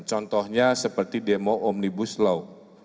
contohnya seperti demo omnibus law